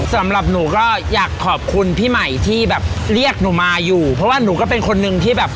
สำหรับหนูก็อยากขอบคุณพี่ใหม่ที่แบบเรียกหนูมาอยู่เพราะว่าหนูก็เป็นคนนึงที่แบบ